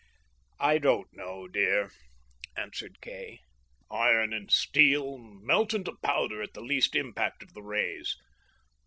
"I don't know, dear," answered Kay. "Iron and steel melt into powder at the least impact of the rays.